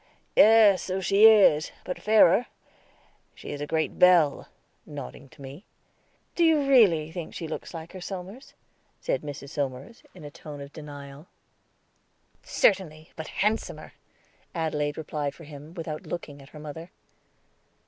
"Yes, so she is; but fairer. She is a great belle," nodding to me. "Do you really think she looks like her, Somers?" said Mrs. Somers, in a tone of denial. "Certainly, but handsomer," Adelaide replied for him, without looking at her mother.